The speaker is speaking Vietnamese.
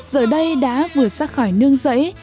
giờ đây đã vừa sát khỏi nương rẫy